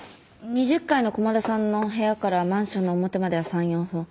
２０階の駒田さんの部屋からマンションの表までは３４分。